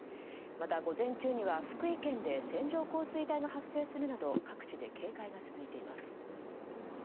また、午前中には福井県で線状降水帯が発生するなど各地で警戒が続いてます。